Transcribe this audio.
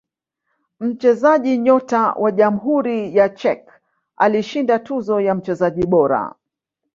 mchezaji nyota wa Jamhuri ya Czech alishinda tuzo ya mchezaji bora